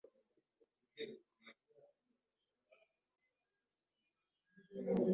nuko nagize amahembe yawe hejuru. Steven Wright